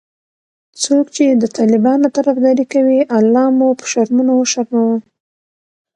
څوک چې د طالبانو طرفدارې کوي الله مو به شرمونو وشرموه😖